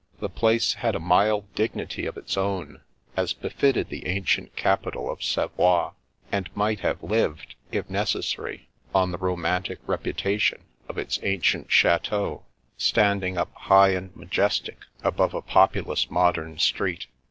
The place had a mild dignity of its own — as befitted the ancient capital of Savoie — and might have lived, if necessary, on the romantic reputation of its ancient chateau, standing up high and majestic above a populous modern street.